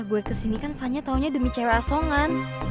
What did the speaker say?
gue kesini kan fanya taunya demi cewek asongan